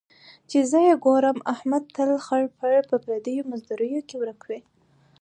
چې زه یې ګورم، احمد تل خړ پړ په پردیو مزدوریو کې ورک وي.